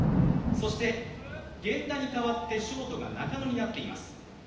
源田に代わってショートが中野になっています。